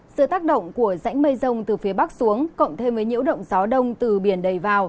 sự tác động của rãnh mây rông từ phía bắc xuống cộng thêm với nhiễu động gió đông từ biển đầy vào